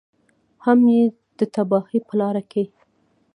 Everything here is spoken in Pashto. هم یې د تباهۍ په لاره کې.